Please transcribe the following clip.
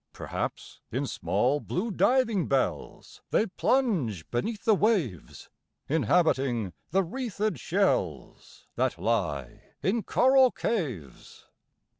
Perhaps, in small, blue diving bells They plunge beneath the waves, Inhabiting the wreathed shells That lie in coral caves.